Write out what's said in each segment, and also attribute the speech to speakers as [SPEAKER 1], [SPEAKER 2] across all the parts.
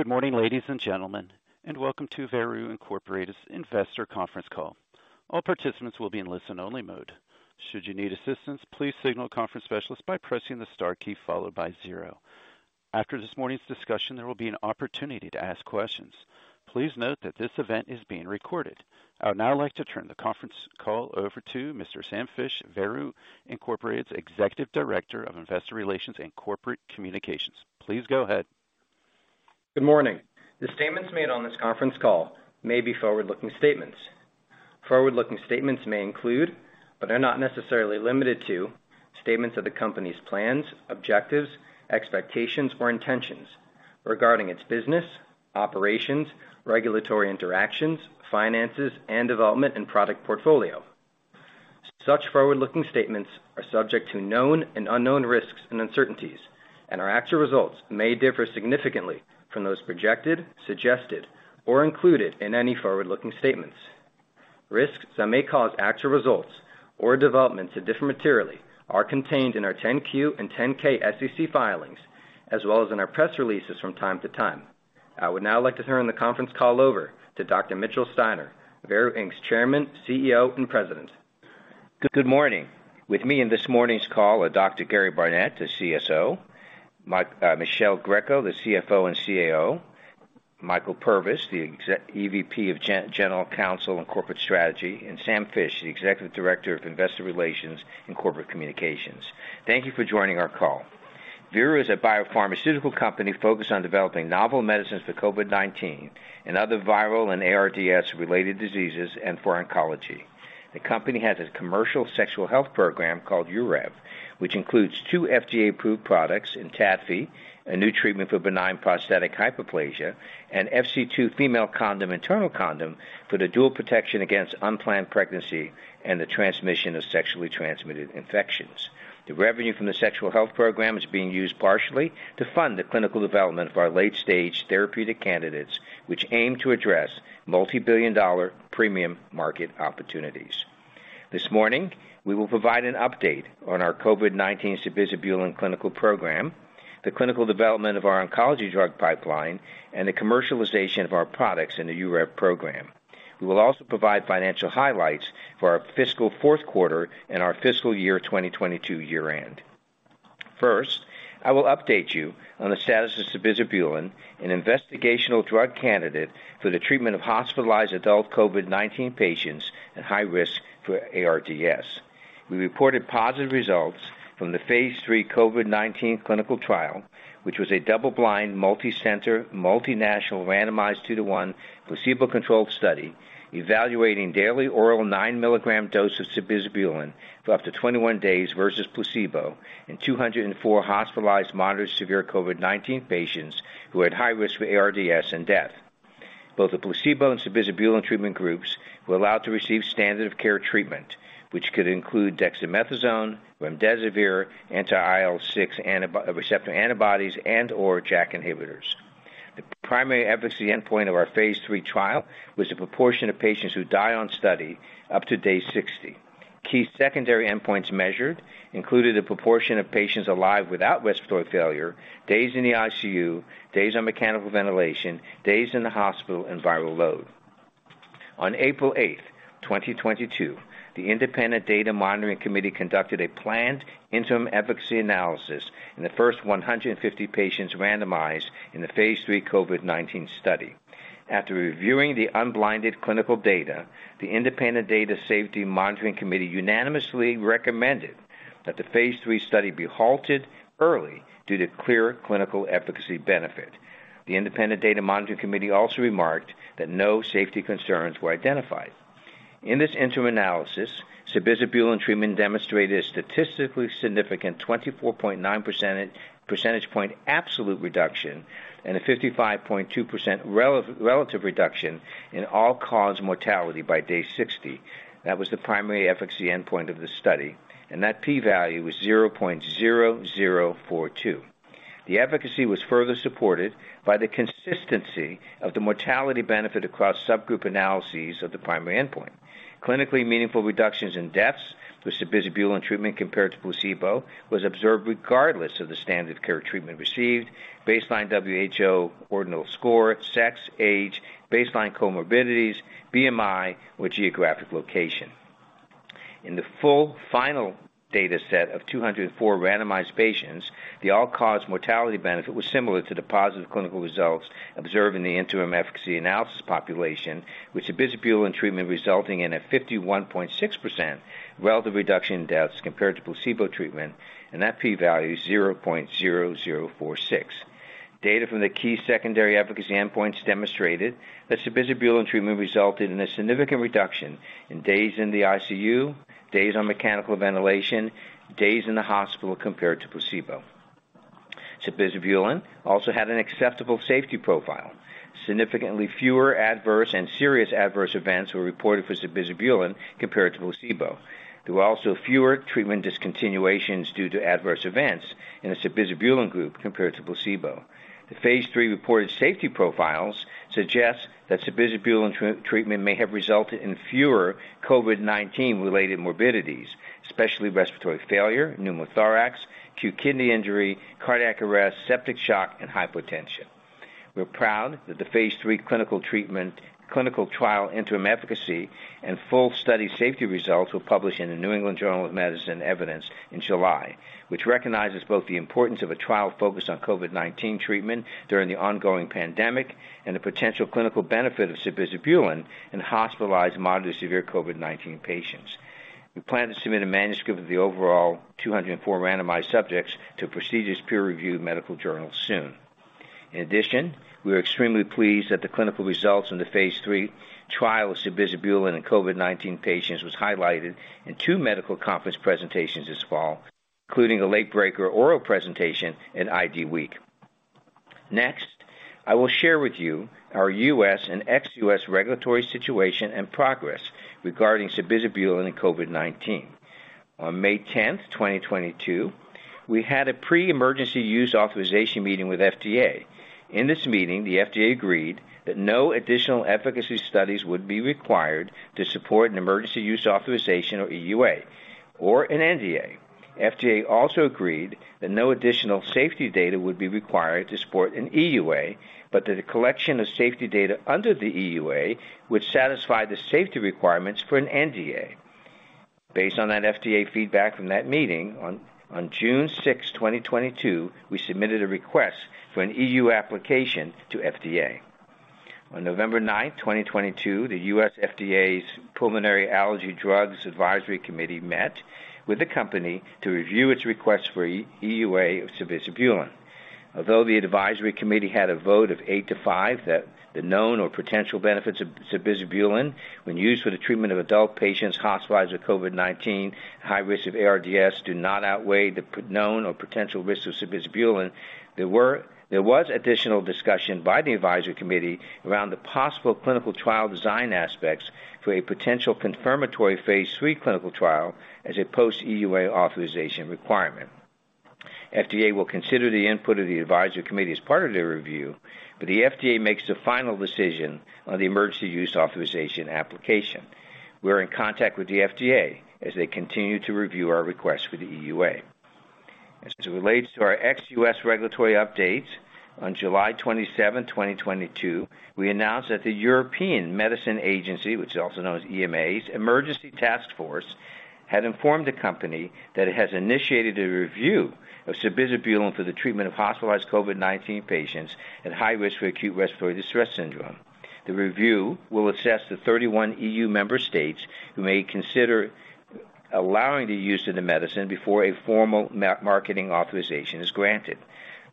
[SPEAKER 1] Good morning, ladies and gentlemen, and welcome to Veru Inc.'s Investor Conference Call. All participants will be in listen only mode. Should you need assistance, please signal a conference specialist by pressing the star key followed by zero. After this morning's discussion, there will be an opportunity to ask questions. Please note that this event is being recorded. I would now like to turn the conference call over to Mr. Samuel Fisch, Veru Inc.'s Executive Director of Investor Relations and Corporate Communications. Please go ahead.
[SPEAKER 2] Good morning. The statements made on this conference call may be forward-looking statements. Forward-looking statements may include, but are not necessarily limited to, statements of the company's plans, objectives, expectations, or intentions regarding its business, operations, regulatory interactions, finances, and development and product portfolio. Such forward-looking statements are subject to known and unknown risks and uncertainties, and our actual results may differ significantly from those projected, suggested, or included in any forward-looking statements. Risks that may cause actual results or developments to differ materially are contained in our 10-Q and 10-K SEC filings, as well as in our press releases from time to time. I would now like to turn the conference call over to Dr. Mitchell Steiner, Veru Inc.'s Chairman, CEO, and President.
[SPEAKER 3] Good morning. With me in this morning's call are Dr. Gary Barnett, the CSO, Michele Greco, the CFO and CAO, Michael Purvis, the EVP of General Counsel and Corporate Strategy, and Sam Fisch, the Executive Director of Investor Relations and Corporate Communications. Thank you for joining our call. Veru is a biopharmaceutical company focused on developing novel medicines for COVID-19 and other viral and ARDS related diseases and for oncology. The company has a commercial sexual health program called Urev, which includes two FDA-approved products ENTADFI, a new treatment for benign prostatic hyperplasia, and FC2 Female Condom (Internal Condom), for the dual protection against unplanned pregnancy and the transmission of sexually transmitted infections. The revenue from the sexual health program is being used partially to fund the clinical development of our late stage therapeutic candidates, which aim to address multibillion-dollar premium market opportunities. This morning, we will provide an update on our COVID-19 sabizabulin clinical program, the clinical development of our oncology drug pipeline, and the commercialization of our products in the Urev program. We will also provide financial highlights for our fiscal fourth quarter and our fiscal year 2022 year-end. First, I will update you on the status of sabizabulin, an investigational drug candidate for the treatment of hospitalized adult COVID-19 patients at high risk for ARDS. We reported positive results from the phase III COVID-19 clinical trial, which was a double-blind, multicenter, multinational, randomized two to one placebo-controlled study evaluating daily oral 9 milligram dose of sabizabulin for up to 21 days versus placebo in 204 hospitalized moderate severe COVID-19 patients who were at high risk for ARDS and death. Both the placebo and sabizabulin treatment groups were allowed to receive standard of care treatment, which could include dexamethasone, remdesivir, anti-IL-6 receptor antibodies and/or JAK inhibitors. The primary efficacy endpoint of our phase III trial was the proportion of patients who die on study up to day 60. Key secondary endpoints measured included the proportion of patients alive without respiratory failure, days in the ICU, days on mechanical ventilation, days in the hospital, and viral load. On April 8, 2022, the Independent Data Monitoring Committee conducted a planned interim efficacy analysis in the first 150 patients randomized in the phase III COVID-19 study. After reviewing the unblinded clinical data, the Independent Data Safety Monitoring Committee unanimously recommended that the phase III study be halted early due to clear clinical efficacy benefit. The Independent Data Monitoring Committee also remarked that no safety concerns were identified. In this interim analysis, sabizabulin treatment demonstrated a statistically significant 24.9 percentage point absolute reduction and a 55.2% relative reduction in all-cause mortality by day 60. That was the primary efficacy endpoint of the study, and that p-value was 0.0042. The efficacy was further supported by the consistency of the mortality benefit across subgroup analyses of the primary endpoint. Clinically meaningful reductions in deaths with sabizabulin treatment compared to placebo was observed regardless of the standard care treatment received, baseline WHO Ordinal Score, sex, age, baseline comorbidities, BMI, or geographic location. In the full final data set of 204 randomized patients, the all-cause mortality benefit was similar to the positive clinical results observed in the interim efficacy analysis population, with sabizabulin treatment resulting in a 51.6% relative reduction in deaths compared to placebo treatment. That p-value is 0.0046. Data from the key secondary efficacy endpoints demonstrated that sabizabulin treatment resulted in a significant reduction in days in the ICU, days on mechanical ventilation, days in the hospital compared to placebo. Sabizabulin also had an acceptable safety profile. Significantly fewer adverse and serious adverse events were reported for sabizabulin compared to placebo. There were also fewer treatment discontinuations due to adverse events in the sabizabulin group compared to placebo. The phase 3 reported safety profiles suggest that sabizabulin treatment may have resulted in fewer COVID-19 related morbidities, especially respiratory failure, pneumothorax, acute kidney injury, cardiac arrest, septic shock, and hypotension. We're proud that the phase III clinical trial interim efficacy and full study safety results were published in The New England Journal of Medicine Evidence in July, which recognizes both the importance of a trial focused on COVID-19 treatment during the ongoing pandemic and the potential clinical benefit of sabizabulin in hospitalized mild to severe COVID-19 patients. We plan to submit a manuscript of the overall 204 randomized subjects to a prestigious peer-reviewed medical journal soon. We are extremely pleased that the clinical results in the phase III trial of sabizabulin in COVID-19 patients was highlighted in two medical conference presentations this fall, including a late-breaker oral presentation at ID Week. Next, I will share with you our U.S. and ex-U.S. regulatory situation and progress regarding sabizabulin in COVID-19. On May 10th, 2022, we had a pre-Emergency Use Authorization meeting with FDA. In this meeting, the FDA agreed that no additional efficacy studies would be required to support an Emergency Use Authorization or EUA or an NDA. FDA also agreed that no additional safety data would be required to support an EUA, but that a collection of safety data under the EUA would satisfy the safety requirements for an NDA. Based on that FDA feedback from that meeting, on June 6th, 2022, we submitted a request for an EU application to FDA. On November 9th, 2022, the U.S. FDA's Pulmonary-Allergy Drugs Advisory Committee met with the company to review its request for EUA of sabizabulin. Although the Advisory Committee had a vote of eight to five that the known or potential benefits of sabizabulin when used for the treatment of adult patients hospitalized with COVID-19 at high risk of ARDS do not outweigh the known or potential risks of sabizabulin, there was additional discussion by the Advisory Committee around the possible clinical trial design aspects for a potential confirmatory phase III clinical trial as a post EUA authorization requirement. FDA will consider the input of the Advisory Committee as part of their review. The FDA makes the final decision on the emergency use authorization application. We're in contact with the FDA as they continue to review our request for the EUA. As it relates to our ex-U.S. regulatory updates, on July 27th, 2022, we announced that the European Medicines Agency, which is also known as EMA's Emergency Task Force, had informed the company that it has initiated a review of sabizabulin for the treatment of hospitalized COVID-19 patients at high risk for acute respiratory distress syndrome. The review will assess the 31 EU member states who may consider allowing the use of the medicine before a formal marketing authorization is granted.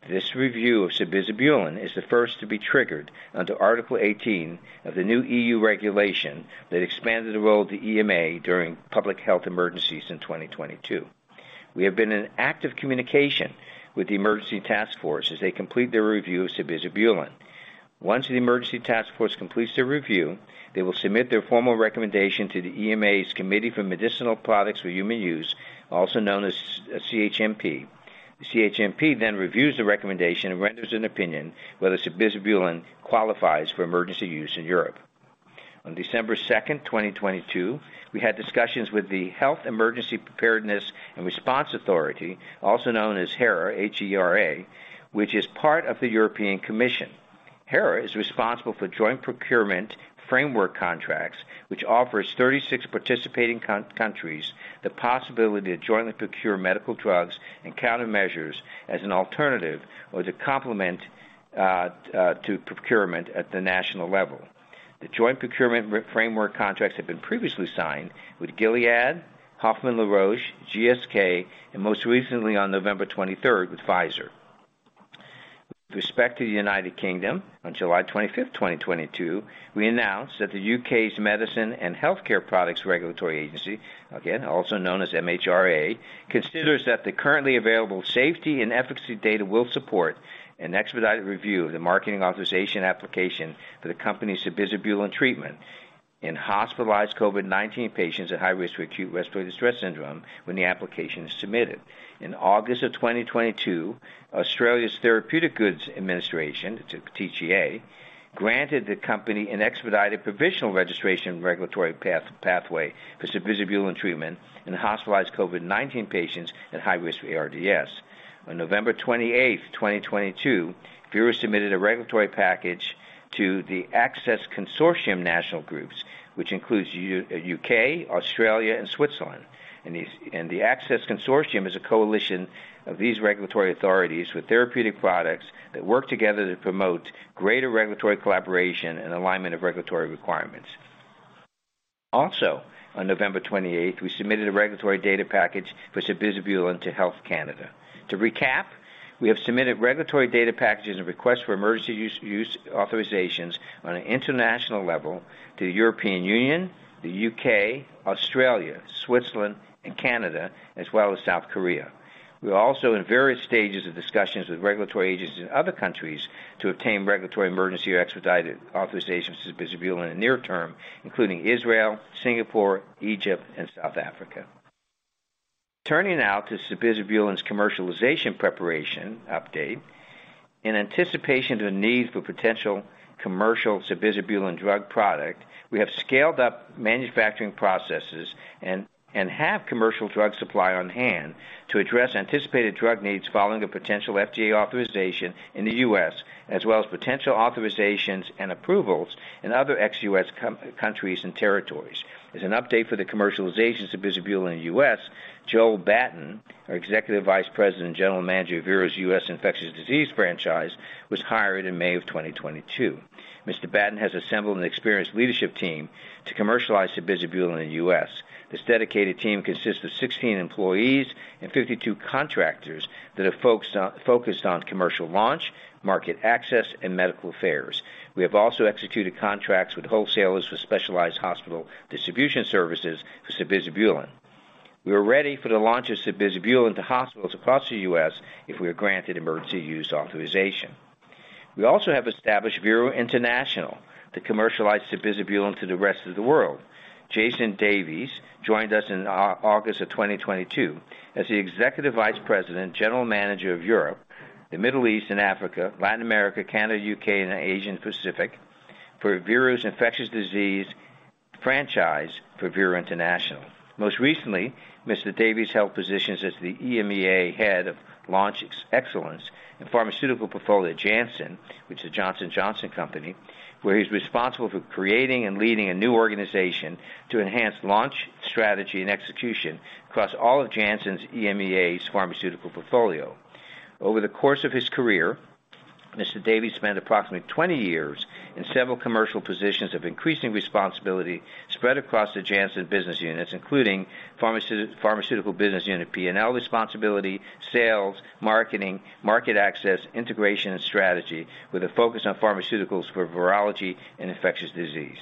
[SPEAKER 3] This review of sabizabulin is the first to be triggered under Article 18 of the new EU regulation that expanded the role of the EMA during public health emergencies in 2022. We have been in active communication with the Emergency Task Force as they complete their review of sabizabulin. Once the Emergency Task Force completes their review, they will submit their formal recommendation to the EMA's Committee for Medicinal Products for Human Use, also known as CHMP. The CHMP reviews the recommendation and renders an opinion whether sabizabulin qualifies for emergency use in Europe. On December 2nd, 2022, we had discussions with the Health Emergency Preparedness and Response Authority, also known as HERA, H-E-R-A, which is part of the European Commission. HERA is responsible for joint procurement framework contracts, which offers 36 participating countries the possibility to jointly procure medical drugs and countermeasures as an alternative or as a complement to procurement at the national level. The joint procurement framework contracts have been previously signed with Gilead, Hoffmann-La Roche, GSK, and most recently on November 23rd with Pfizer. With respect to the United Kingdom, on July 25, 2022, we announced that the UK's Medicines and Healthcare products Regulatory Agency, again, also known as MHRA, considers that the currently available safety and efficacy data will support an expedited review of the marketing authorization application for the company's sabizabulin treatment in hospitalized COVID-19 patients at high risk for acute respiratory distress syndrome when the application is submitted. In August 2022, Australia's Therapeutic Goods Administration, the TGA, granted the company an expedited provisional registration regulatory pathway for sabizabulin treatment in hospitalized COVID-19 patients at high risk for ARDS. On November 28th, 2022, Veru submitted a regulatory package to the Access Consortium national groups, which includes UK, Australia, and Switzerland. The Access Consortium is a coalition of these regulatory authorities with therapeutic products that work together to promote greater regulatory collaboration and alignment of regulatory requirements. On November 28th, we submitted a regulatory data package for sabizabulin to Health Canada. To recap, we have submitted regulatory data packages and requests for emergency use authorizations on an international level to the European Union, the UK, Australia, Switzerland, and Canada, as well as South Korea. We are also in various stages of discussions with regulatory agencies in other countries to obtain regulatory emergency or expedited authorizations to sabizabulin in the near term, including Israel, Singapore, Egypt and South Africa. Turning now to sabizabulin's commercialization preparation update. In anticipation of the need for potential commercial sabizabulin drug product, we have scaled up manufacturing processes and have commercial drug supply on hand to address anticipated drug needs following a potential FDA authorization in the U.S. As well as potential authorizations and approvals in other ex-U.S. countries and territories. As an update for the commercialization of sabizabulin in the U.S., Joel Batten, our Executive Vice President and General Manager of Veru's U.S. Infectious Disease Franchise, was hired in May of 2022. Mr. Batten has assembled an experienced leadership team to commercialize sabizabulin in the U.S. This dedicated team consists of 16 employees and 52 contractors that are focused on commercial launch, market access, and medical affairs. We have also executed contracts with wholesalers for specialized hospital distribution services for sabizabulin. We are ready for the launch of sabizabulin to hospitals across the U.S. if we are granted emergency use authorization. We also have established Veru International to commercialize sabizabulin to the rest of the world. Jason Davies joined us in August of 2022 as the Executive Vice President, General Manager of Europe, the Middle East and Africa, Latin America, Canada, UK, and Asian Pacific for Veru's Infectious Disease Franchise for Veru International. Most recently, Mr. Davies held positions as the EMEA Head of Launch Excellence in pharmaceutical portfolio at Janssen, which is Johnson & Johnson company, where he's responsible for creating and leading a new organization to enhance launch strategy and execution across all of Janssen's EMEA's pharmaceutical portfolio. Over the course of his career, Mr. Davies spent approximately 20 years in several commercial positions of increasing responsibility spread across the Janssen business units, including pharmaceutical business unit P&L responsibility, sales, marketing, market access, integration, and strategy, with a focus on pharmaceuticals for virology and infectious disease.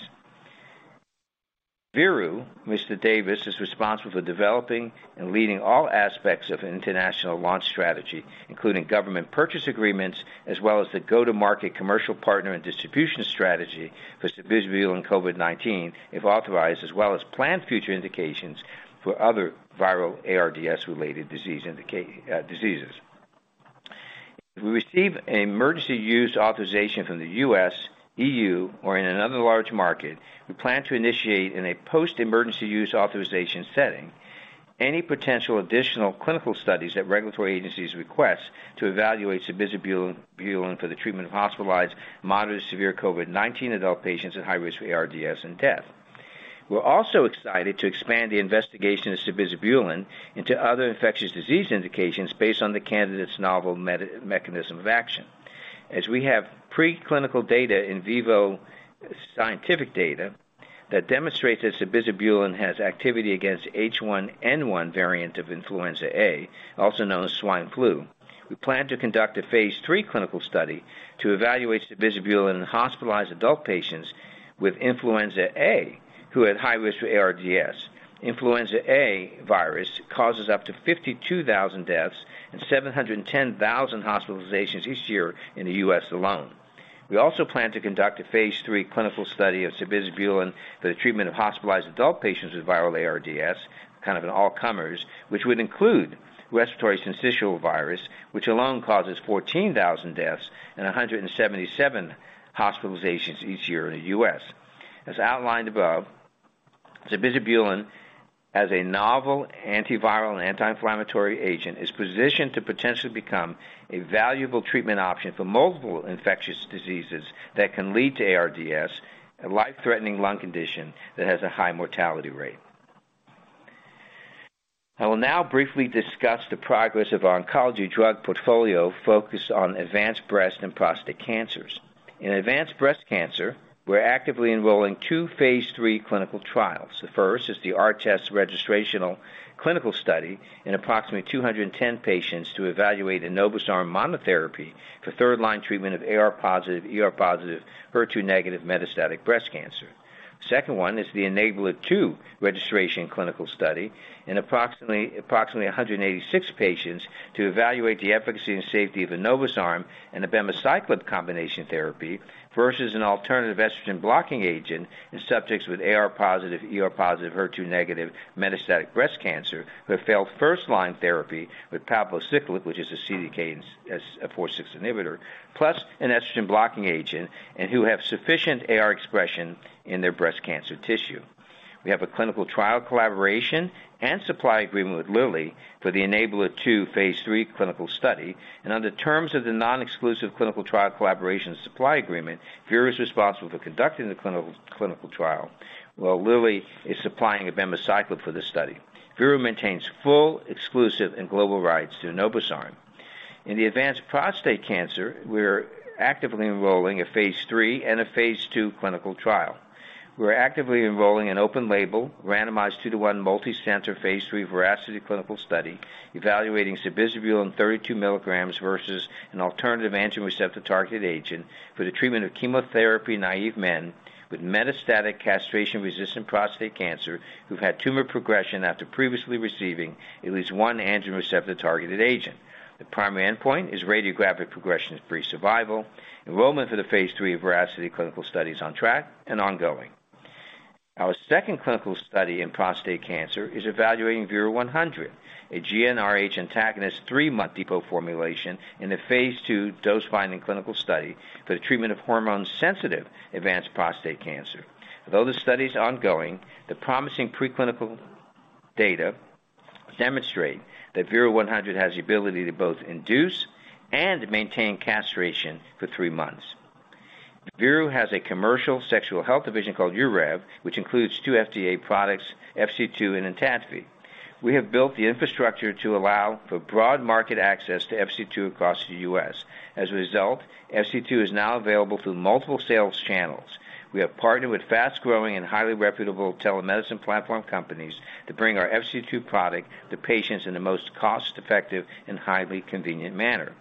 [SPEAKER 3] Veru, Mr. Davies is responsible for developing and leading all aspects of international launch strategy, including government purchase agreements as well as the go-to-market commercial partner and distribution strategy for sabizabulin COVID-19 if authorized, as well as planned future indications for other viral ARDS related diseases. If we receive an emergency use authorization from the U.S., EU, or in another large market, we plan to initiate in a post-emergency use authorization setting any potential additional clinical studies that regulatory agencies request to evaluate sabizabulin for the treatment of hospitalized moderate to severe COVID-19 adult patients at high risk for ARDS and death. We're also excited to expand the investigation of sabizabulin into other infectious disease indications based on the candidate's novel mechanism of action. As we have preclinical data in VIVO scientific data that demonstrates that sabizabulin has activity against H1N1 variant of Influenza A, also known as swine flu. We plan to conduct a phase III clinical study to evaluate sabizabulin in hospitalized adult patients with Influenza A who are at high risk for ARDS. Influenza A virus causes up to 52,000 deaths and 710,000 hospitalizations each year in the U.S. alone. We also plan to conduct a phase III clinical study of sabizabulin for the treatment of hospitalized adult patients with viral ARDS, kind of an all comers, which would include respiratory syncytial virus, which alone causes 14,000 deaths and 177 hospitalizations each year in the U.S. As outlined above, sabizabulin as a novel antiviral and anti-inflammatory agent, is positioned to potentially become a valuable treatment option for multiple infectious diseases that can lead to ARDS, a life-threatening lung condition that has a high mortality rate. I will now briefly discuss the progress of our oncology drug portfolio focused on advanced breast and prostate cancers. In advanced breast cancer, we're actively enrolling two phase III clinical trials. The first is the ARTEST registrational clinical study in approximately 210 patients to evaluate enobosarm monotherapy for third-line treatment of AR-positive, ER-positive, HER2-negative metastatic breast cancer. Second one is the ENABLAR-2 registration clinical study in approximately 186 patients to evaluate the efficacy and safety of enobosarm and abemaciclib combination therapy versus an alternative estrogen-blocking agent in subjects with AR- positive, ER-positive, HER2-negative metastatic breast cancer who have failed first-line therapy with palbociclib, which is a CDK4/6 inhibitor, plus an estrogen-blocking agent and who have sufficient AR expression in their breast cancer tissue. We have a clinical trial collaboration and supply agreement with Lilly for the ENABLAR-2 phase III clinical study. Under terms of the non-exclusive clinical trial collaboration supply agreement, Veru is responsible for conducting the clinical trial, while Lilly is supplying abemaciclib for the study. Veru maintains full, exclusive, and global rights to enobosarm. In the advanced prostate cancer, we're actively enrolling a phase III and a phase II clinical trial. We're actively enrolling an open label, randomized two to one multicenter phase III VERACITY clinical study evaluating sabizabulin 32 milligrams versus an alternative androgen receptor-targeted agent for the treatment of chemotherapy-naive men with metastatic castration-resistant prostate cancer who've had tumor progression after previously receiving at least one androgen receptor-targeted agent. The primary endpoint is radiographic progression-free survival. Enrollment for the phase III VERACITY clinical study is on track and ongoing. Our second clinical study in prostate cancer is evaluating VERU-100, a GnRH antagonist three-month depot formulation in a phase II dose-finding clinical study for the treatment of hormone-sensitive advanced prostate cancer. Although the study is ongoing, the promising preclinical data demonstrate that VERU-100 has the ability to both induce and maintain castration for three months. Veru has a commercial sexual health division called Urev, which includes two FDA products, FC2 and ENTADFI. We have built the infrastructure to allow for broad market access to FC2 across the U.S. As a result, FC2 is now available through multiple sales channels. We have partnered with fast-growing and highly reputable telemedicine platform companies to bring our FC2 product to patients in the most cost-effective and highly convenient manner.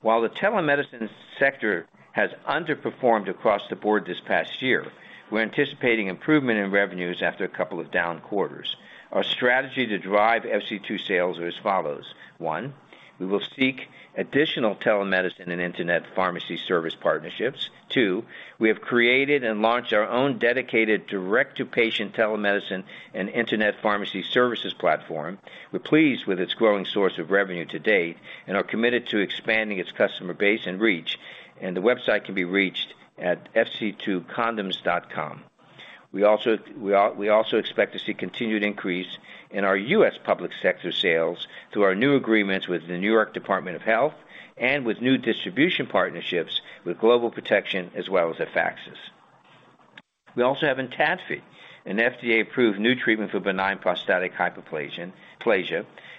[SPEAKER 3] While the telemedicine sector has underperformed across the board this past year, we're anticipating improvement in revenues after a couple of down quarters. Our strategy to drive FC2 sales is as follows. One, we will seek additional telemedicine and internet pharmacy service partnerships. Two, we have created and launched our own dedicated direct-to-patient telemedicine and internet pharmacy services platform. We're pleased with its growing source of revenue to date and are committed to expanding its customer base and reach. The website can be reached at fc2condoms.com. We also expect to see continued increase in our U.S. public sector sales through our new agreements with the New York State Department of Health and with new distribution partnerships with Global Protection as well as Afaxys. We also have ENTADFI, an FDA-approved new treatment for benign prostatic hyperplasia,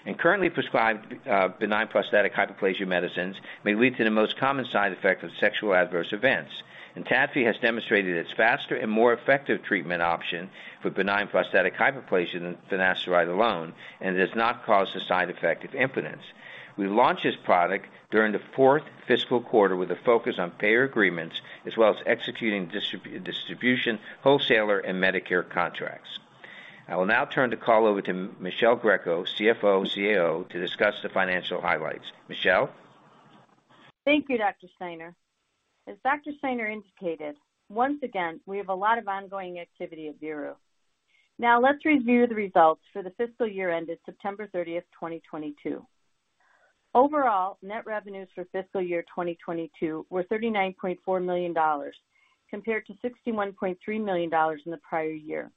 [SPEAKER 3] and currently prescribed benign prostatic hyperplasia medicines may lead to the most common side effect of sexual adverse events. ENTADFI has demonstrated its faster and more effective treatment option for benign prostatic hyperplasia than finasteride alone, and it does not cause the side effect of impotence. We launched this product during the fourth fiscal quarter with a focus on payer agreements as well as executing distribution, wholesaler, and Medicare contracts. I will now turn the call over to Michele Greco, CFO, CAO, to discuss the financial highlights. Michele?
[SPEAKER 4] Thank you, Dr. Steiner. As Dr. Steiner indicated, once again, we have a lot of ongoing activity at Veru. Let's review the results for the fiscal year ended September 30th, 2022. Overall, net revenues for fiscal year 2022 were $39.4 million compared to $61.3 million in the prior year.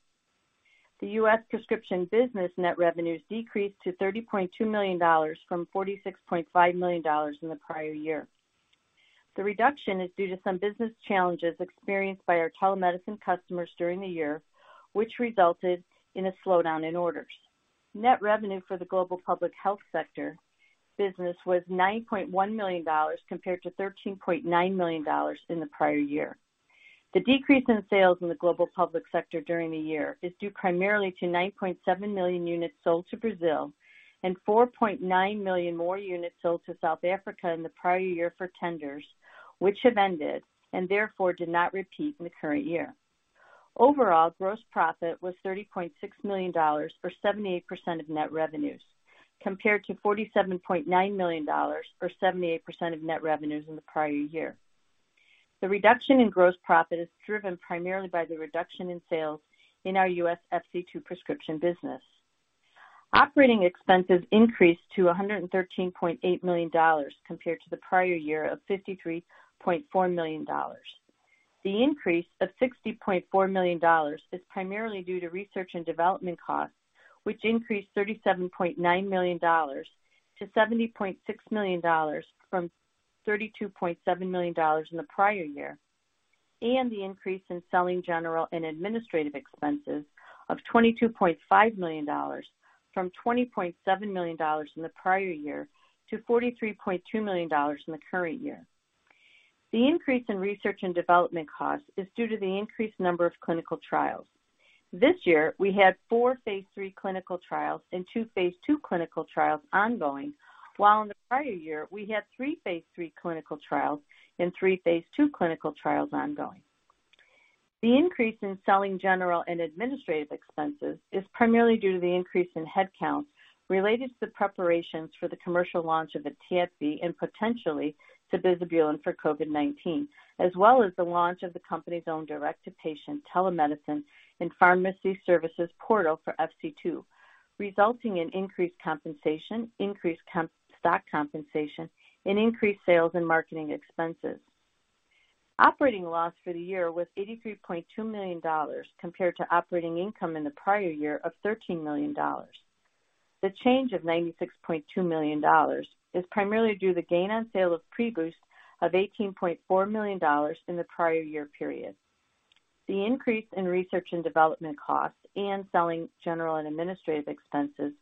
[SPEAKER 4] The U.S. prescription business net revenues decreased to $30.2 million from $46.5 million in the prior year. The reduction is due to some business challenges experienced by our telemedicine customers during the year, which resulted in a slowdown in orders. Net revenue for the global public health sector business was $9.1 million compared to $13.9 million in the prior year. The decrease in sales in the global public sector during the year is due primarily to 9.7 million units sold to Brazil and 4.9 million more units sold to South Africa in the prior year for tenders which have ended and therefore did not repeat in the current year. Overall, gross profit was $30.6 million, or 78% of net revenues, compared to $47.9 million, or 78% of net revenues in the prior year. The reduction in gross profit is driven primarily by the reduction in sales in our U.S. FC2 prescription business. Operating expenses increased to $113.8 million compared to the prior year of $53.4 million. The increase of $60.4 million is primarily due to research and development costs, which increased $37.9 million-$70.6 million from $32.7 million in the prior year, and the increase in selling general and administrative expenses of $22.5 million from $20.7 million in the prior year to $43.2 million in the current year. The increase in research and development costs is due to the increased number of clinical trials. This year, we had four phase III clinical trials and two phase II clinical trials ongoing, while in the prior year we had three phase III clinical trials and three phase II clinical trials ongoing. The increase in selling general and administrative expenses is primarily due to the increase in headcount related to the preparations for the commercial launch of ENTADFI and potentially sabizabulin for COVID-19, as well as the launch of the company's own direct-to-patient telemedicine and pharmacy services portal for FC2, resulting in increased compensation, increased stock compensation, and increased sales and marketing expenses. Operating loss for the year was $83.2 million compared to operating income in the prior year of $13 million. The change of $96.2 million is primarily due to gain on sale of PREBOOST of $18.4 million in the prior year period. The increase in research and development costs and selling general and administrative expenses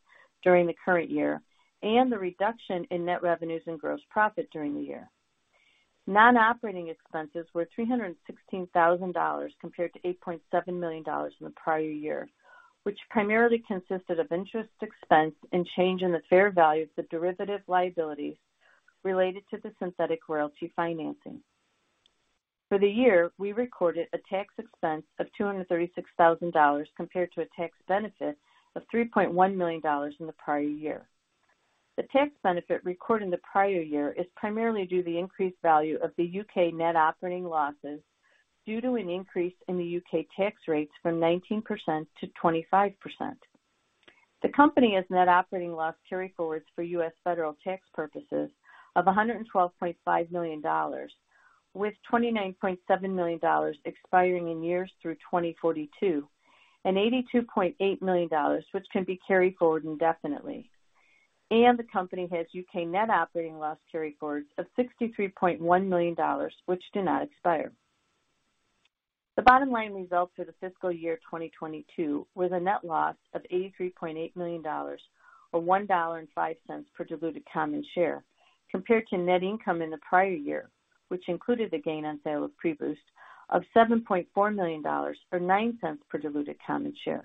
[SPEAKER 4] during the current year, and the reduction in net revenues and gross profit during the year. Non-operating expenses were $316,000 compared to $8.7 million in the prior year, which primarily consisted of interest expense and change in the fair value of the derivative liabilities related to the synthetic royalty financing. For the year, we recorded a tax expense of $236,000 compared to a tax benefit of $3.1 million in the prior year. The tax benefit recorded in the prior year is primarily due to the increased value of the UK net operating losses due to an increase in the UK tax rates from 19%-25%. The company has net operating loss carryforwards for U.S. federal tax purposes of $112.5 million, with $29.7 million expiring in years through 2042 and $82.8 million, which can be carried forward indefinitely. The company has UK net operating loss carryforwards of GBP 63.1 million, which do not expire. The bottom line results for the fiscal year 2022 were the net loss of $83.8 million, or $1.05 per diluted common share, compared to net income in the prior year, which included a gain on sale of PREBOOST of $7.4 million, or $0.09 per diluted common share.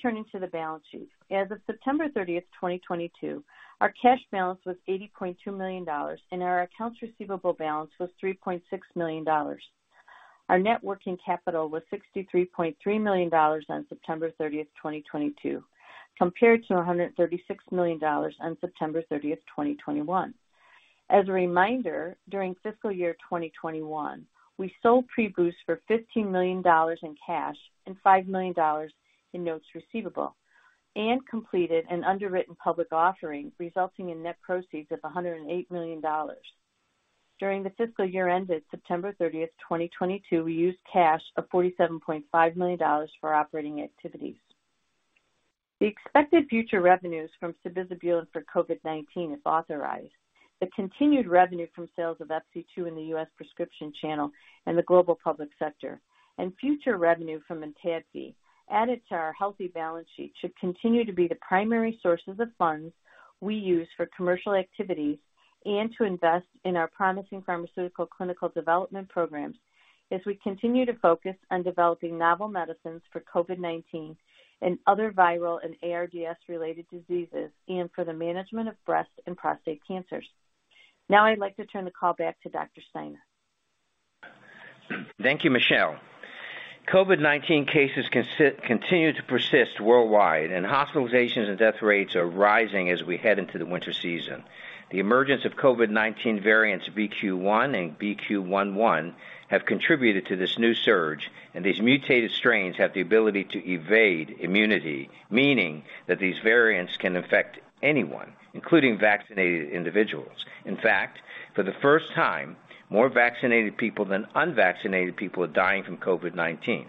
[SPEAKER 4] Turning to the balance sheet. As of September 30th, 2022, our cash balance was $80.2 million and our accounts receivable balance was $3.6 million. Our net working capital was $63.3 million on September 30th, 2022, compared to $136 million on September 30th, 2021. As a reminder, during fiscal year 2021, we sold PREBOOST for $15 million in cash and $5 million in notes receivable and completed an underwritten public offering resulting in net proceeds of $108 million. During the fiscal year ended September 30th, 2022, we used cash of $47.5 million for operating activities. The expected future revenues from sabizabulin for COVID-19 if authorized, the continued revenue from sales of FC2 in the U.S. prescription channel and the global public sector, and future revenue from ENTADFI added to our healthy balance sheet should continue to be the primary sources of funds we use for commercial activities and to invest in our promising pharmaceutical clinical development programs as we continue to focus on developing novel medicines for COVID-19 and other viral and ARDS related diseases and for the management of breast and prostate cancers. Now I'd like to turn the call back to Dr. Steiner.
[SPEAKER 3] Thank you, Michele. COVID-19 cases continue to persist worldwide. Hospitalizations and death rates are rising as we head into the winter season. The emergence of COVID-19 variants BQ.1 and BQ.1.1 have contributed to this new surge. These mutated strains have the ability to evade immunity, meaning that these variants can affect anyone, including vaccinated individuals. In fact, for the first time, more vaccinated people than unvaccinated people are dying from COVID-19.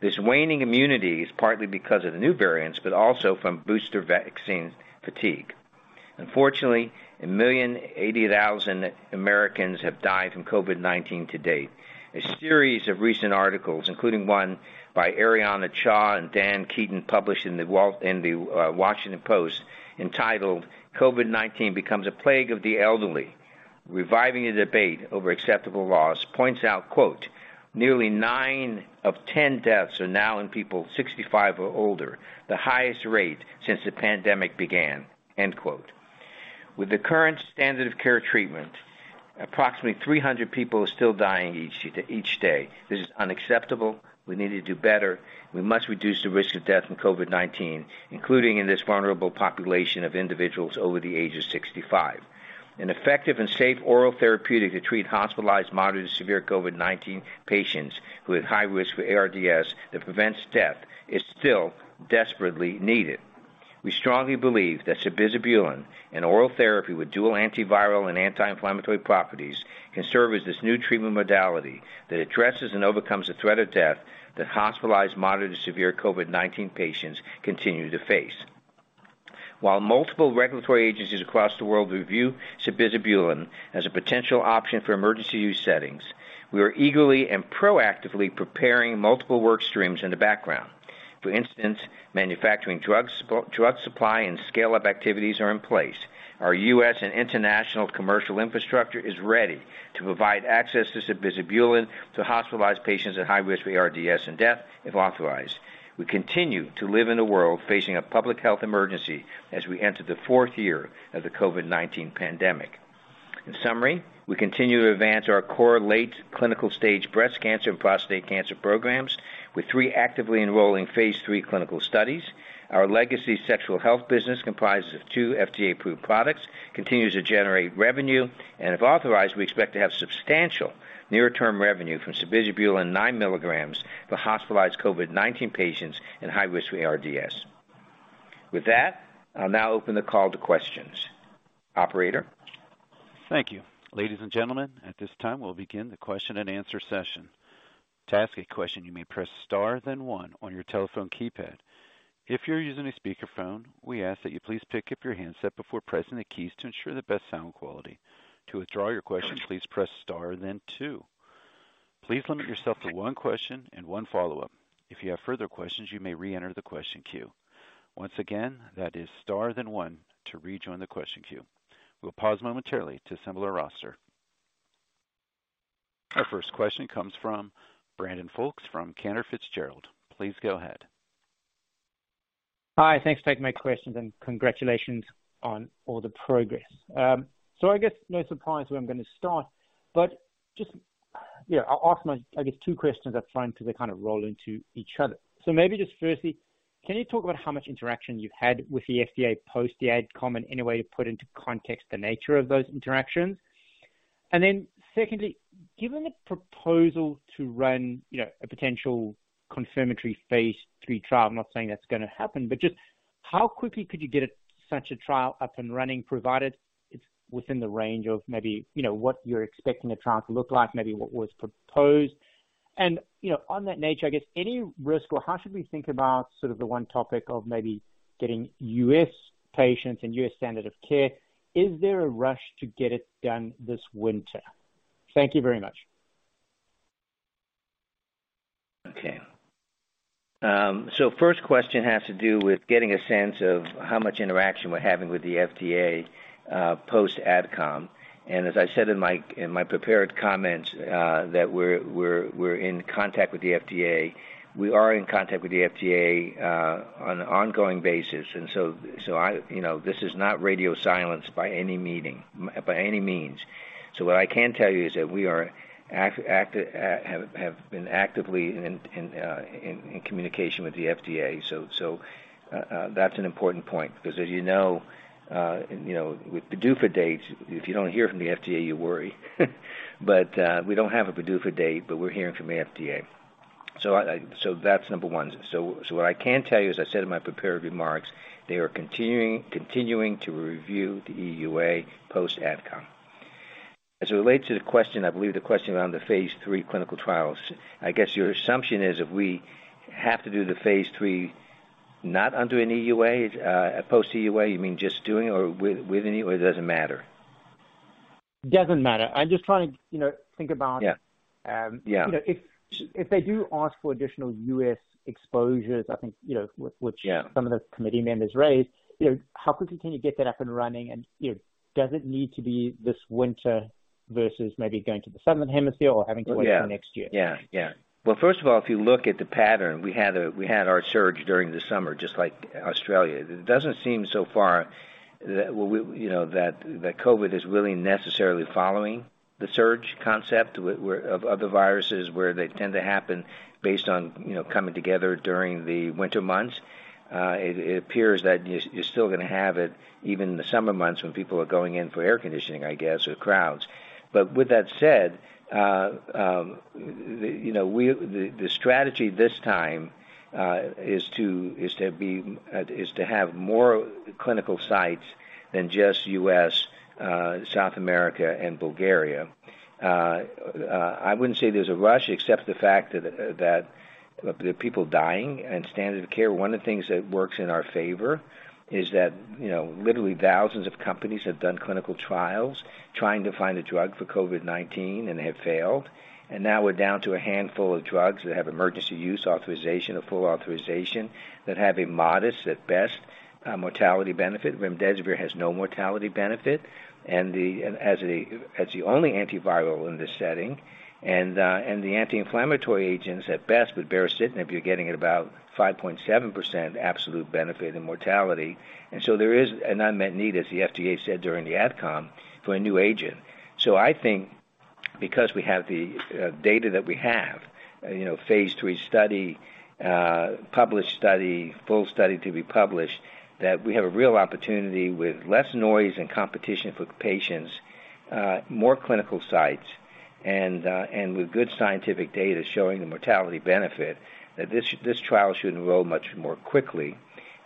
[SPEAKER 3] This waning immunity is partly because of the new variants, but also from booster vaccine fatigue. Unfortunately, 1,080,000 Americans have died from COVID-19 to date. A series of recent articles, including one by Ariana Cha and Dan Diamond, published in The Washington Post, entitled COVID-19 Becomes a Plague of the Elderly, Reviving the Debate Over Acceptable Loss, points out, quote, "Nearly nine of 10 deaths are now in people 65 or older, the highest rate since the pandemic began." End quote. With the current standard of care treatment, approximately 300 people are still dying each day. This is unacceptable. We need to do better. We must reduce the risk of death from COVID-19, including in this vulnerable population of individuals over the age of 65. An effective and safe oral therapeutic to treat hospitalized moderate to severe COVID-19 patients who are at high risk for ARDS that prevents death is still desperately needed. We strongly believe that sabizabulin, an oral therapy with dual antiviral and anti-inflammatory properties, can serve as this new treatment modality that addresses and overcomes the threat of death that hospitalized moderate to severe COVID-19 patients continue to face. While multiple regulatory agencies across the world review sabizabulin as a potential option for emergency use settings, we are eagerly and proactively preparing multiple work streams in the background. For instance, manufacturing drugs, drug supply and scale-up activities are in place. Our U.S. and international commercial infrastructure is ready to provide access to sabizabulin to hospitalized patients at high risk for ARDS and death if authorized. We continue to live in a world facing a public health emergency as we enter the fourth year of the COVID-19 pandemic. In summary, we continue to advance our core late clinical stage breast cancer and prostate cancer programs with three actively enrolling phase III clinical studies. Our legacy sexual health business comprises of two FDA-approved products, continues to generate revenue, and if authorized, we expect to have substantial near-term revenue from sabizabulin 9 milligrams for hospitalized COVID-19 patients in high risk for ARDS. With that, I'll now open the call to questions. Operator?
[SPEAKER 1] Thank you. Ladies and gentlemen, at this time, we'll begin the Q&A session. To ask a question, you may press star then one on your telephone keypad. If you're using a speakerphone, we ask that you please pick up your handset before pressing the keys to ensure the best sound quality. To withdraw your question, please press star then two. Please limit yourself to one question and one follow-up. If you have further questions, you may re-enter the question queue. Once again, that is star then one to rejoin the question queue. We'll pause momentarily to assemble our roster. Our first question comes from Brandon Folkes from Cantor Fitzgerald. Please go ahead.
[SPEAKER 5] Hi. Thanks for taking my questions and congratulations on all the progress. I guess no surprise where I'm gonna start, I'll ask my, I guess, two questions up front 'cause they kind of roll into each other. Maybe just firstly, can you talk about how much interaction you've had with the FDA post the AdCom and give me a put into context the nature of those interactions? And then secondly, given the proposal to run a potential confirmatory phase III trial, not saying that's going to happen, but just how quickly could you get such a trial up and running provided it's within the range of maybe what you're expecting the trial to look like, maybe what was proposed? And on that nature, any risk or how should we think about sort of the one topic of maybe getting U.S. patients and U.S. standard of care? Is there a rush to get it done this winter? Thank you very much. As I said in my prepared comments that we're in contact with the FDA. We are in contact with the FDA on an ongoing basis. I, you know, this is not radio silence by any means. What I can tell you is that we have been actively in communication with the FDA. That's an important point because as you know, with PDUFA dates, if you don't hear from the FDA, you worry. We don't have a PDUFA date, but we're hearing from the FDA. That's number one.
[SPEAKER 3] What I can tell you, as I said in my prepared remarks, they are continuing to review the EUA post AdCom. As it relates to the question, I believe the question around the phase III clinical trials, I guess your assumption is if we have to do the phase III, not under an EUA, a post EUA, you mean just doing or with an EU, or it doesn't matter?
[SPEAKER 5] Doesn't matter. I'm just trying to, you know, think about-
[SPEAKER 3] Yeah.
[SPEAKER 5] Um-
[SPEAKER 3] Yeah.
[SPEAKER 5] You know, if they do ask for additional U.S. exposures, I think, you know.
[SPEAKER 3] Yeah...
[SPEAKER 5] some of the committee members raised, you know, how quickly can you get that up and running? You know, does it need to be this winter versus maybe going to the southern hemisphere or having to?
[SPEAKER 3] Oh, yeah.
[SPEAKER 5] till next year?
[SPEAKER 3] Yeah. Yeah. Well, first of all, if you look at the pattern, we had our surge during the summer, just like Australia. It doesn't seem so far that we, you know, that COVID is really necessarily following the surge concept of other viruses where they tend to happen based on, you know, coming together during the winter months. It appears that you're still gonna have it even in the summer months when people are going in for air conditioning, I guess, or crowds. With that said, you know, the strategy this time is to be is to have more clinical sites than just U.S., South America and Bulgaria. I wouldn't say there's a rush except the fact that the people dying and standard of care, one of the things that works in our favor is that, you know, literally thousands of companies have done clinical trials trying to find a drug for COVID-19 and have failed. Now we're down to a handful of drugs that have emergency use authorization or full authorization that have a modest, at best, mortality benefit. Remdesivir has no mortality benefit as the only antiviral in this setting. The anti-inflammatory agents at best with baricitinib, you're getting about 5.7% absolute benefit in mortality. There is an unmet need, as the FDA said during the AdCom, for a new agent. I think because we have the data that we have, you know, phase III study, published study, full study to be published, that we have a real opportunity with less noise and competition for patients, more clinical sites and with good scientific data showing the mortality benefit, that this trial should enroll much more quickly.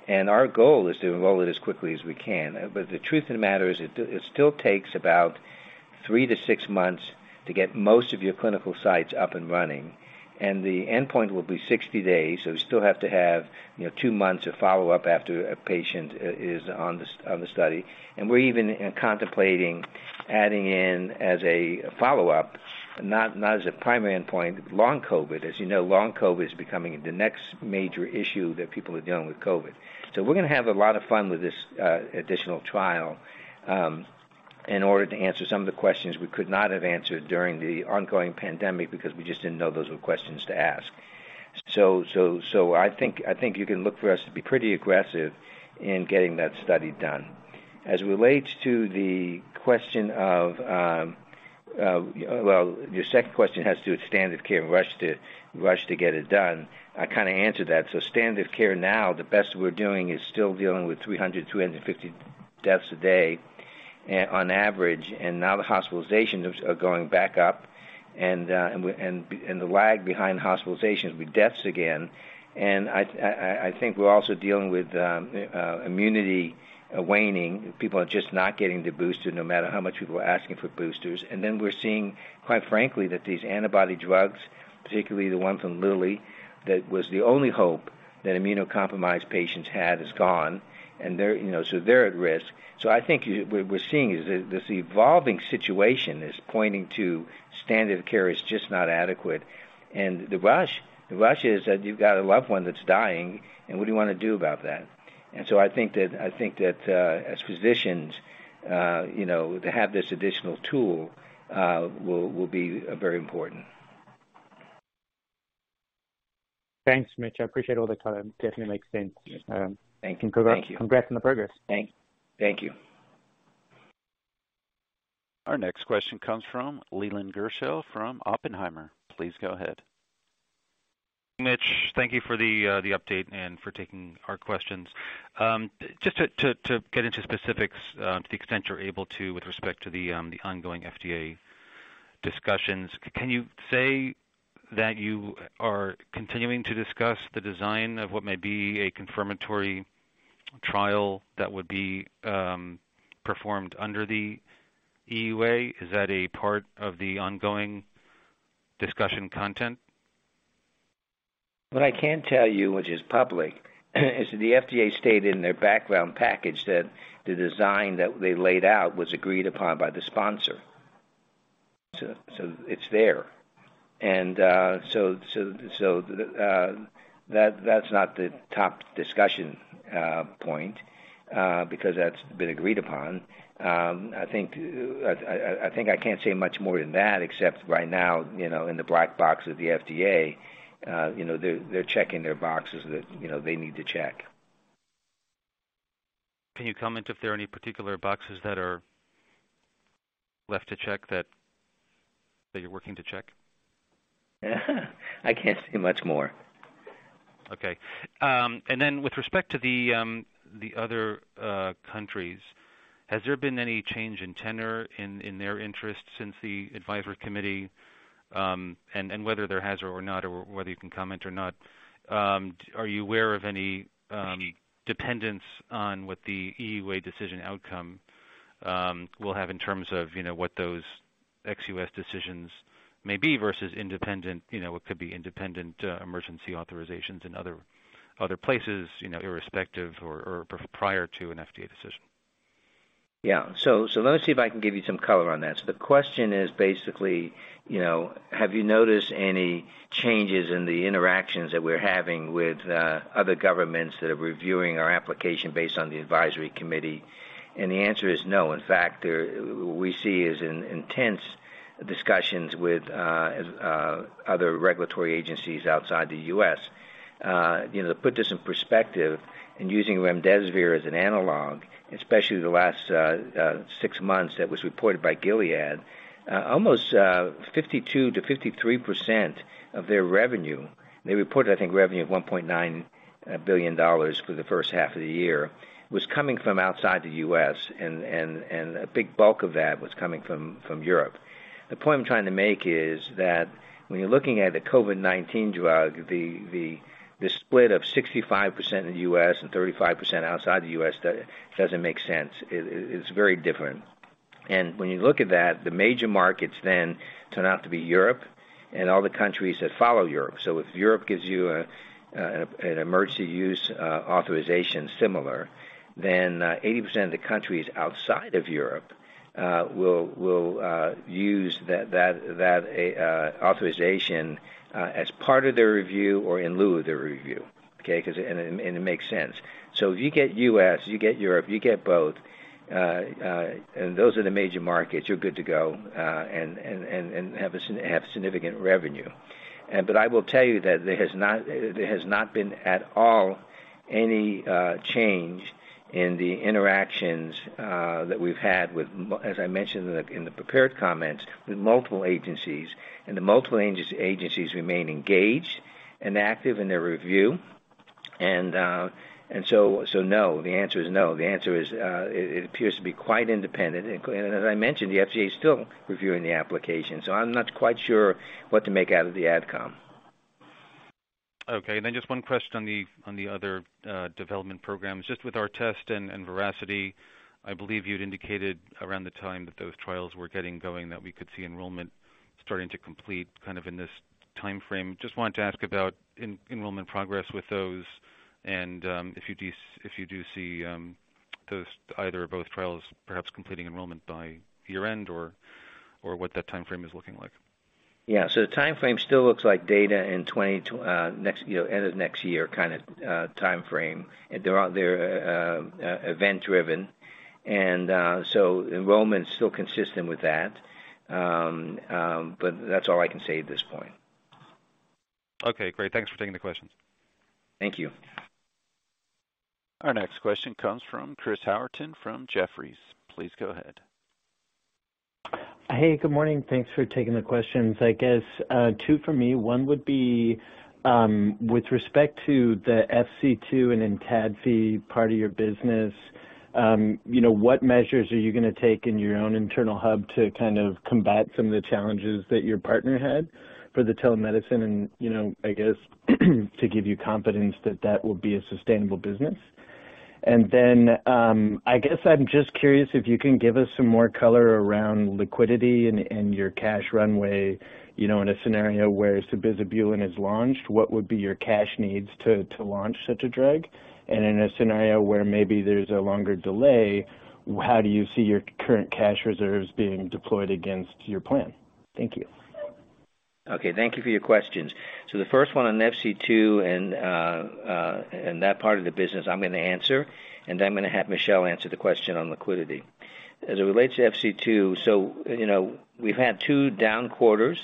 [SPEAKER 3] Our goal is to enroll it as quickly as we can. The truth of the matter is it still takes about three to six months to get most of your clinical sites up and running. The endpoint will be 60 days. We still have to have, you know, two months of follow-up after a patient is on the study. We're even, contemplating adding in as a follow-up, not as a primary endpoint, long COVID. As you know, long COVID is becoming the next major issue that people are dealing with COVID. We're gonna have a lot of fun with this additional trial in order to answer some of the questions we could not have answered during the ongoing pandemic because we just didn't know those were questions to ask. so I think you can look for us to be pretty aggressive in getting that study done. As it relates to the question of... Well, your second question has to do with standard care and rush to get it done. I kinda answered that. Standard care now, the best we're doing is still dealing with 300, 250 deaths a day on average, and now the hospitalizations are going back up, and the lag behind hospitalizations with deaths again. I think we're also dealing with immunity waning. People are just not getting the booster no matter how much people are asking for boosters. Then we're seeing, quite frankly, that these antibody drugs, particularly the one from Lilly, that was the only hope that immunocompromised patients had, is gone. They're, you know, so they're at risk. I think we're seeing is this evolving situation is pointing to standard care is just not adequate. The rush is that you've got a loved one that's dying, and what do you wanna do about that? I think that, as physicians, you know, to have this additional tool, will be very important.
[SPEAKER 5] Thanks, Mitch. I appreciate all the time. Definitely makes sense.
[SPEAKER 3] Thank you.
[SPEAKER 6] Congrats on the progress.
[SPEAKER 3] Thank you.
[SPEAKER 1] Our next question comes from Leland Gershell from Oppenheimer. Please go ahead.
[SPEAKER 7] Mitch, thank you for the update and for taking our questions. Just to get into specifics, to the extent you're able to with respect to the ongoing FDA discussions, can you say that you are continuing to discuss the design of what may be a confirmatory trial that would be performed under the EUA? Is that a part of the ongoing discussion content?
[SPEAKER 3] What I can tell you, which is public, is that the FDA stated in their background package that the design that they laid out was agreed upon by the sponsor. It's there. The that's not the top discussion point because that's been agreed upon. I think I can't say much more than that, except right now, you know, in the black box of the FDA, you know, they're checking their boxes that, you know, they need to check.
[SPEAKER 7] Can you comment if there are any particular boxes that are left to check that you're working to check?
[SPEAKER 3] I can't say much more.
[SPEAKER 7] Okay. Then with respect to the other countries, has there been any change in tenor in their interest since the Advisory Committee? Whether there has or not, or whether you can comment or not, are you aware of any-
[SPEAKER 3] Mm-hmm.
[SPEAKER 7] -dependence on what the EUA decision outcome will have in terms of, you know, what those ex-U.S. decisions may be versus independent, you know, what could be independent emergency authorizations in other places, you know, irrespective or prior to an FDA decision?
[SPEAKER 3] Yeah. Let me see if I can give you some color on that. The question is basically, you know, have you noticed any changes in the interactions that we're having with other governments that are reviewing our application based on the Advisory Committee? The answer is no. In fact, there. What we see is in intense discussions with other regulatory agencies outside the U.S. You know, to put this in perspective and using remdesivir as an analog, especially the last six months that was reported by Gilead, almost 52%-53% of their revenue, they reported, I think, revenue of $1.9 billion for the first half of the year, was coming from outside the U.S., and a big bulk of that was coming from Europe. The point I'm trying to make is that when you're looking at a COVID-19 drug, the split of 65% in the US and 35% outside the U.S. doesn't make sense. It's very different. When you look at that, the major markets then turn out to be Europe and all the countries that follow Europe. If Europe gives you an emergency use authorization similar, then 80% of the countries outside of Europe will use that authorization as part of their review or in lieu of their review. Okay? 'Cause and it makes sense. If you get U.S., you get Europe, you get both, and those are the major markets, you're good to go and have significant revenue. I will tell you that there has not been at all any change in the interactions that we've had with, as I mentioned in the, in the prepared comments, with multiple agencies. The multiple agencies remain engaged and active in their review. So no, the answer is no. The answer is, it appears to be quite independent. As I mentioned, the FDA is still reviewing the application, so I'm not quite sure what to make out of the outcome.
[SPEAKER 7] Okay. Just one question on the, on the other development programs. Just with ARTEST and VERACITY, I believe you'd indicated around the time that those trials were getting going, that we could see enrollment starting to complete kind of in this timeframe. Just wanted to ask about enrollment progress with those and, if you do, if you do see, those either or both trials perhaps completing enrollment by year-end or what that timeframe is looking like.
[SPEAKER 3] Yeah. The timeframe still looks like data in you know, end of next year kinda timeframe. They're event driven, and so enrollment's still consistent with that. That's all I can say at this point.
[SPEAKER 7] Okay, great. Thanks for taking the questions.
[SPEAKER 3] Thank you.
[SPEAKER 1] Our next question comes from Chris Howerton from Jefferies. Please go ahead.
[SPEAKER 6] Hey, good morning. Thanks for taking the questions. I guess, two for me. One would be, with respect to the FC2 and ENTADFI part of your business, you know, what measures are you gonna take in your own internal hub to kind of combat some of the challenges that your partner had for the telemedicine and, you know, I guess, to give you confidence that that will be a sustainable business? I guess I'm just curious if you can give us some more color around liquidity and your cash runway. You know, in a scenario where sabizabulin is launched, what would be your cash needs to launch such a drug? In a scenario where maybe there's a longer delay, how do you see your current cash reserves being deployed against your plan? Thank you.
[SPEAKER 3] Okay, thank you for your questions. The first one on FC2 and that part of the business, I'm gonna answer, and then I'm gonna have Michele answer the question on liquidity. As it relates to FC2, you know, we've had two down quarters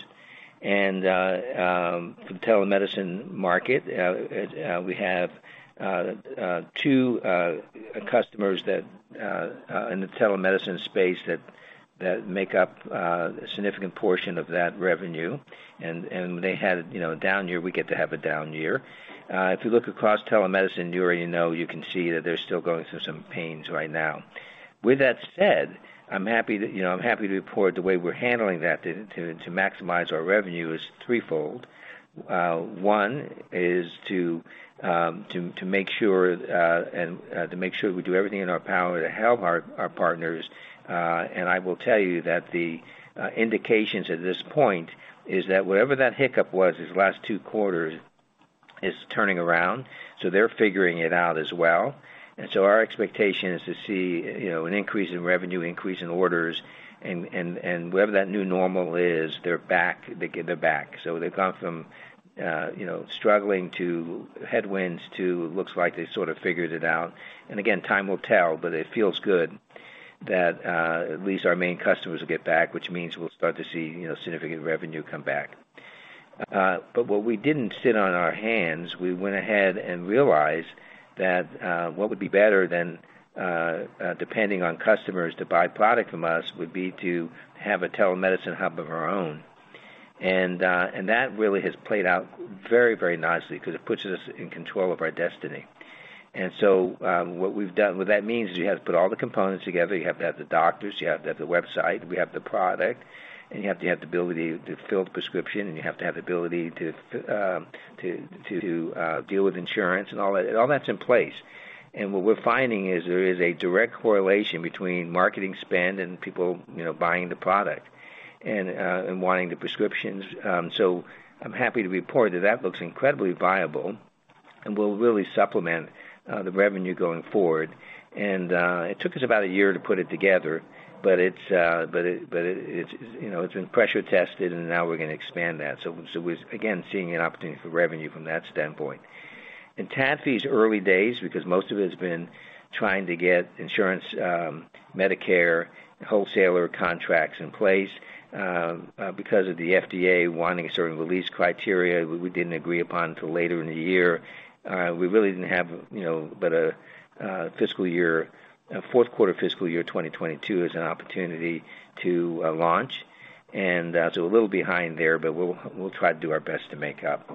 [SPEAKER 3] and from telemedicine market. We have two customers that in the telemedicine space that make up a significant portion of that revenue. They had, you know, a down year, we get to have a down year. If you look across telemedicine, you already know, you can see that they're still going through some pains right now. With that said, I'm happy to report the way we're handling that to maximize our revenue is threefold. One is to make sure, and to make sure we do everything in our power to help our partners. I will tell you that the indications at this point is that whatever that hiccup was these last two quarters is turning around, so they're figuring it out as well. Our expectation is to see, you know, an increase in revenue, increase in orders, and whatever that new normal is, they're back, they're back. They've gone from, you know, struggling to headwinds to looks like they sort of figured it out. Again, time will tell, but it feels good that at least our main customers will get back, which means we'll start to see, you know, significant revenue come back. What we didn't sit on our hands, we went ahead and realized that what would be better than depending on customers to buy product from us would be to have a telemedicine hub of our own. That really has played out very, very nicely because it puts us in control of our destiny. What we've done, what that means is you have to put all the components together. You have to have the doctors, you have to have the website, we have the product, and you have to have the ability to fill the prescription, and you have to have the ability to deal with insurance and all that. All that's in place. What we're finding is there is a direct correlation between marketing spend and people, you know, buying the product and wanting the prescriptions. I'm happy to report that that looks incredibly viable and will really supplement the revenue going forward. It took us about a year to put it together, but it's, you know, it's been pressure tested and now we're gonna expand that. We're again seeing an opportunity for revenue from that standpoint. In ENTADFI, early days, because most of it has been trying to get insurance, Medicare wholesaler contracts in place, because of the FDA wanting a certain release criteria we didn't agree upon until later in the year. We really didn't have, but a fiscal year, a fourth quarter fiscal year 2022 as an opportunity to launch, a little behind there, but we'll try to do our best to make up.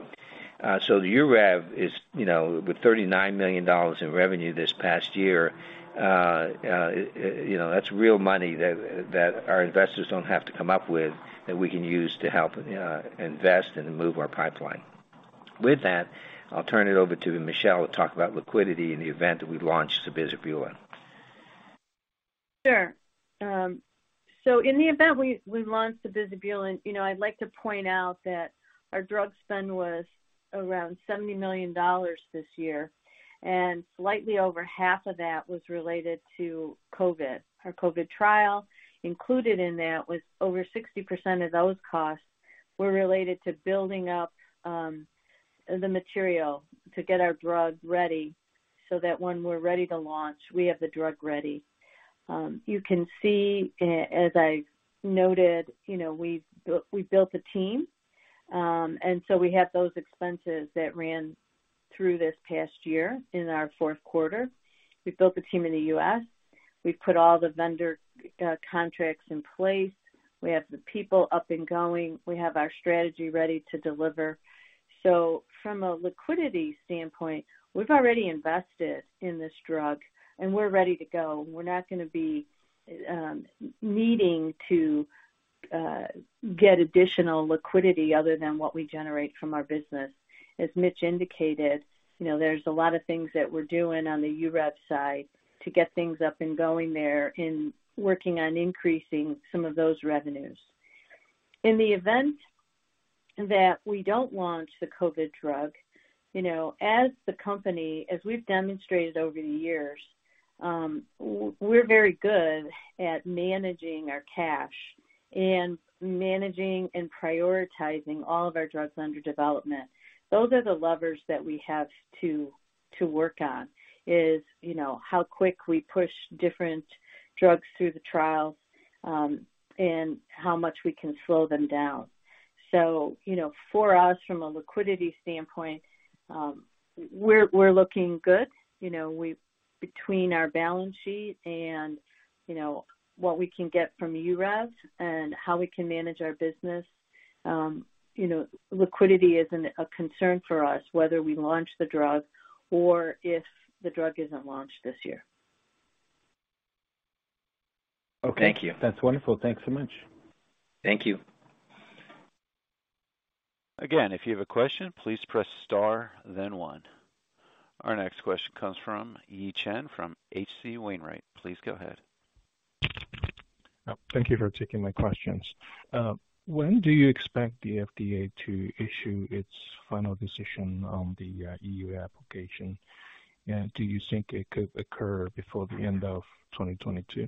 [SPEAKER 3] The Urev is with $39 million in revenue this past year, that's real money that our investors don't have to come up with that we can use to help invest and move our pipeline. With that, I'll turn it over to Michele to talk about liquidity in the event that we launch sabizabulin.
[SPEAKER 4] Sure. In the event we launch sabizabulin, you know, I'd like to point out that our drug spend was around $70 million this year, and slightly over half of that was related to COVID. Our COVID trial included in that was over 60% of those costs were related to building up the material to get our drug ready so that when we're ready to launch we have the drug ready. You can see as I noted, you know, we built a team, we have those expenses that ran through this past year in our fourth quarter. We built the team in the U.S. We put all the vendor contracts in place. We have the people up and going. We have our strategy ready to deliver. From a liquidity standpoint, we've already invested in this drug and we're ready to go. We're not gonna be needing to get additional liquidity other than what we generate from our business. As Mitch indicated, you know, there's a lot of things that we're doing on the Urev side to get things up and going there and working on increasing some of those revenues. In the event that we don't launch the COVID drug, you know, as the company, as we've demonstrated over the years, we're very good at managing our cash and managing and prioritizing all of our drugs under development. Those are the levers that we have to work on is, you know, how quick we push different drugs through the trial, and how much we can slow them down. You know, for us, from a liquidity standpoint, we're looking good. You know, between our balance sheet and, you know, what we can get from Urev and how we can manage our business, you know, liquidity isn't a concern for us whether we launch the drug or if the drug isn't launched this year.
[SPEAKER 3] Okay.
[SPEAKER 2] Thank you.
[SPEAKER 3] That's wonderful. Thanks so much.
[SPEAKER 2] Thank you.
[SPEAKER 1] Again, if you have a question, please press star then one. Our next question comes from Yi Chen from H.C. Wainwright. Please go ahead.
[SPEAKER 8] Thank you for taking my questions. When do you expect the FDA to issue its final decision on the EU application? Do you think it could occur before the end of 2022?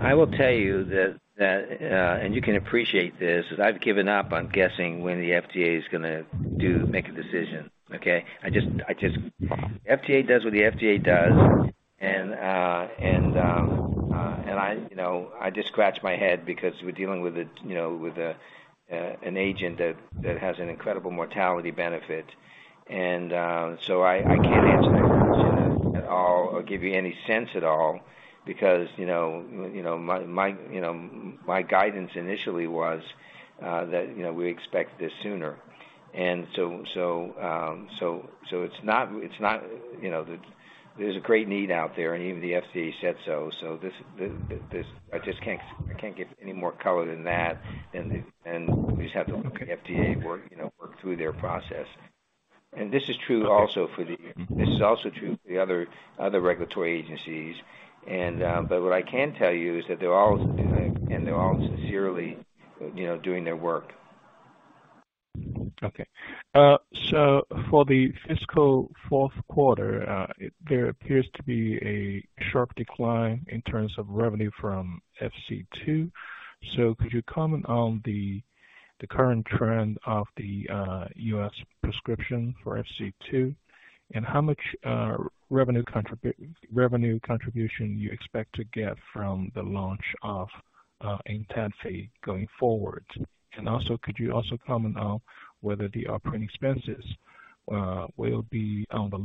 [SPEAKER 3] I will tell you that, and you can appreciate this, that I've given up on guessing when the FDA is gonna make a decision, okay? I just. FDA does what the FDA does. I, you know, I just scratch my head because we're dealing with a, you know, with an agent that has an incredible mortality benefit. So I can't answer that question at all or give you any sense at all because, you know, my guidance initially was that, you know, we expect this sooner. So it's not, you know, There's a great need out there, and even the FDA said so. This, I just can't give any more color than that. We just have to let the FDA work through their process. This is also true for the other regulatory agencies, but what I can tell you is that they're all doing it, and they're all sincerely, you know, doing their work.
[SPEAKER 8] Okay. For the fiscal fourth quarter, there appears to be a sharp decline in terms of revenue from FC2. Could you comment on the current trend of the U.S. prescription for FC2? How much revenue contribution you expect to get from the launch of ENTADFI going forward? Also, could you also comment on whether the operating expenses will be on the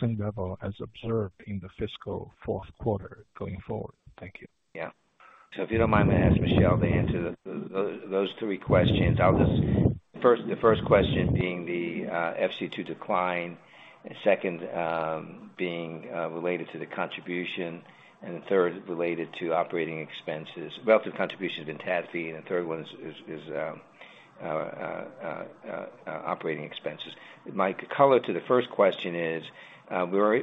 [SPEAKER 8] same level as observed in the fiscal fourth quarter going forward? Thank you.
[SPEAKER 3] If you don't mind me asking Michele to answer those three questions. The first question being the FC2 decline, second, being related to the contribution, and the third related to operating expenses. Well, the contribution's been ENTADFI, and the third one is operating expenses. My color to the first question is we're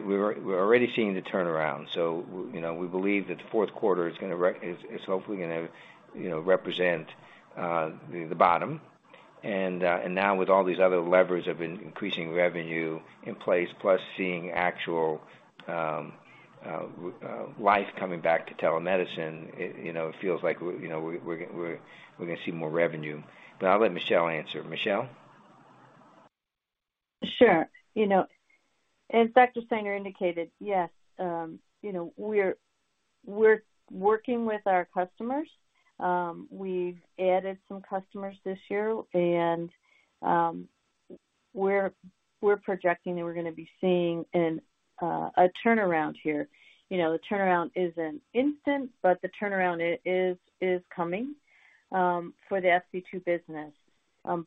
[SPEAKER 3] already seeing the turnaround. You know, we believe that the fourth quarter is gonna hopefully, you know, represent the bottom. Now with all these other levers of increasing revenue in place, plus seeing actual life coming back to telemedicine, it, you know, it feels like we're, you know, we're gonna see more revenue. I'll let Michele answer. Michele?
[SPEAKER 4] Sure. You know, as Dr. Steiner indicated, yes, you know, we're working with our customers. We've added some customers this year, and we're projecting that we're gonna be seeing a turnaround here. You know, the turnaround isn't instant, but the turnaround is coming for the FC2 business,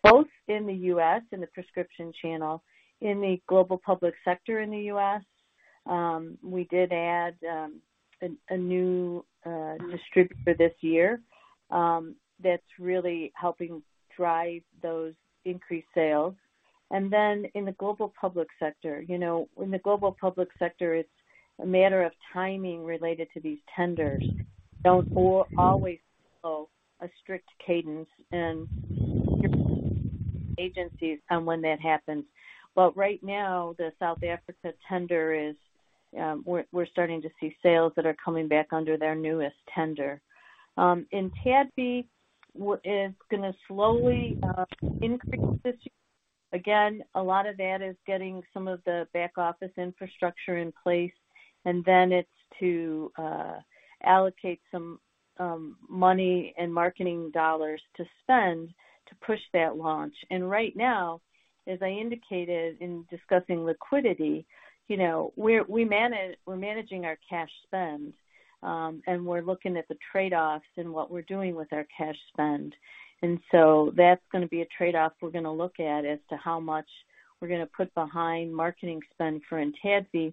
[SPEAKER 4] both in the U.S., in the prescription channel. In the global public sector in the U.S., we did add a new distributor this year that's really helping drive those increased sales. In the global public sector, you know, in the global public sector, it's a matter of timing related to these tenders. Don't always follow a strict cadence and agencies on when that happens. Right now, the South Africa tender is, we're starting to see sales that are coming back under their newest tender. ENTADFI is going to slowly increase this year. Again, a lot of that is getting some of the back office infrastructure in place, and then it's to allocate some money and marketing dollars to spend to push that launch. Right now, as I indicated in discussing liquidity, you know, we're managing our cash spend, and we're looking at the trade-offs and what we're doing with our cash spend. That's going to be a trade-off we're going to look at as to how much we're going to put behind marketing spend for ENTADFI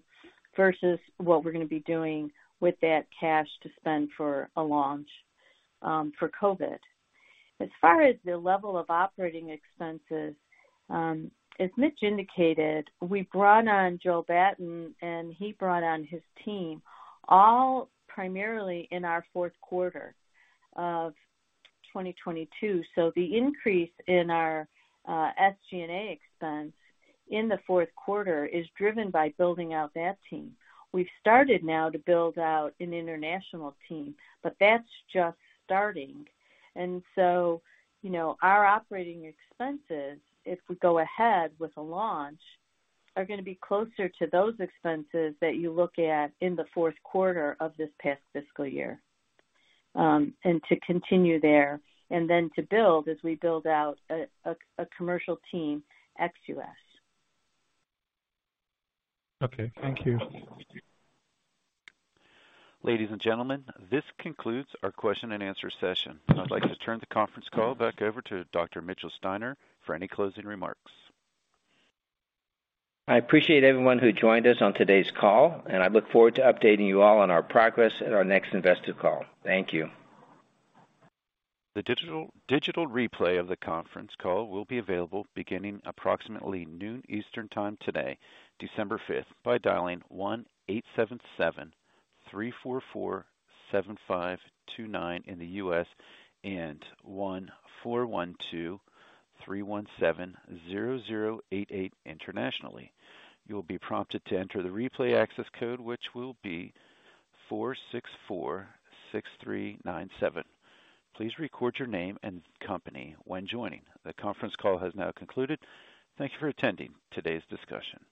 [SPEAKER 4] versus what we're going to be doing with that cash to spend for a launch for COVID. As far as the level of operating expenses, as Mitch indicated, we brought on Joel Batten, and he brought on his team, all primarily in our fourth quarter of 2022. The increase in our SG&A expense in the fourth quarter is driven by building out that team. We've started now to build out an international team, but that's just starting. You know, our operating expenses, if we go ahead with a launch, are gonna be closer to those expenses that you look at in the fourth quarter of this past fiscal year, and to continue there, and then to build as we build out a commercial team ex-U.S.
[SPEAKER 8] Okay. Thank you.
[SPEAKER 1] Ladies and gentlemen, this concludes our Q&A session. I'd like to turn the conference call back over to Dr. Mitchell Steiner for any closing remarks.
[SPEAKER 3] I appreciate everyone who joined us on today's call, and I look forward to updating you all on our progress at our next investor call. Thank you.
[SPEAKER 1] The digital replay of the conference call will be available beginning approximately 12:00 P.M. Eastern Time today, December fifth, by dialing 1-877-344-7529 in the U.S. and 1-412-317-0088 internationally. You will be prompted to enter the replay access code, which will be 4646397. Please record your name and company when joining. The conference call has now concluded. Thank you for attending today's discussion.